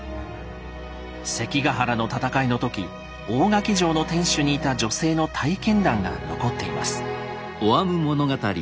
関ヶ原の戦いの時大垣城の天守にいた女性の体験談が残っています。